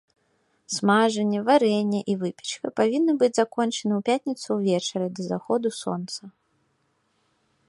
Смажанне, варэнне і выпечка павінны быць закончаны ў пятніцу ўвечары, да заходу сонца.